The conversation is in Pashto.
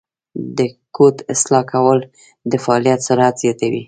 د کوډ اصلاح کول د فعالیت سرعت زیاتوي.